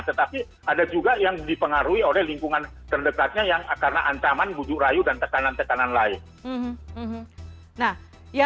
tetapi ada juga yang dipengaruhi oleh lingkungan terdekatnya yang karena ancaman bujuk rayu dan tekanan tekanan lain